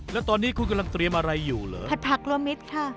แล้วตอนนี้คุณกำลังเตรียมอะไรอยู่เหรอผัดผักรวมมิตรค่ะ